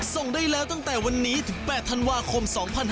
ส่งได้แล้วตั้งแต่วันนี้ถึง๘ธันวาคม๒๕๕๙